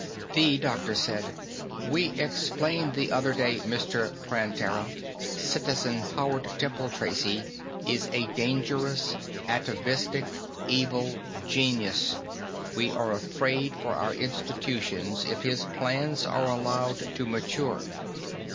The doctor said, "We explained the other day, Mr. Prantera. Citizen Howard Temple Tracy is a dangerous, atavistic, evil genius. We are afraid for our institutions if his plans are allowed to mature."